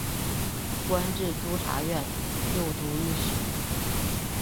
官至都察院右都御史。